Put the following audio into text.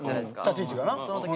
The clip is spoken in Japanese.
立ち位置がな。